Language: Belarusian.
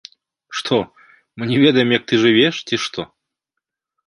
Што, мы не ведаем, як ты жывеш, ці што?